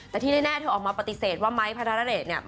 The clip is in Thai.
แต่ที่แน่เธอออกมาปฏิเสธว่าไม้พระธรเดชเนี่ย